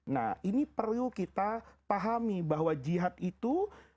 nah ini perlu kita pahami bahwa jihad itu